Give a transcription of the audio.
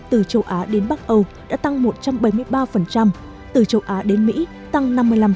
từ châu á đến bắc âu đã tăng một trăm bảy mươi ba từ châu á đến mỹ tăng năm mươi năm